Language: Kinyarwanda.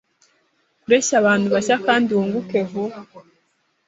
Kureshya abantu bashya kandi wunguke vuba